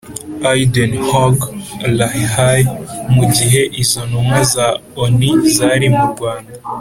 i den haag (la haye) mu gihe izo ntumwa za onu zari mu rwanda